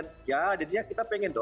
melakukan pembinaan dan sebagainya